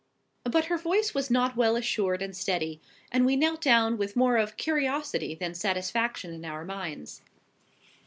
But her voice was not well assured and steady; and we knelt down with more of curiosity than satisfaction in our minds.